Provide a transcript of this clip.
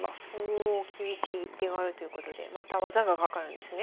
厳しい一手があるということでまた技がかかるんですね。